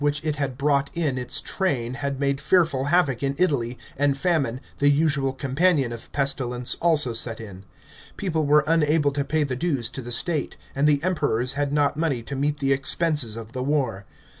CHAP, xxvm it had brought in its train bad made fearful havoc in Italy, and famine, the usual companion of pestilence, also set in. People were unable to pay the dues to the state, and the Emperors had not money to meet the expenses of the war.